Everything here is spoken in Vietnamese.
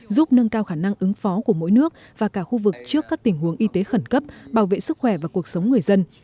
giúp nâng cao khả năng ứng phó của mỗi nước và cả khu vực trước các tình huống y tế khẩn cấp bảo vệ sức khỏe và cuộc sống người dân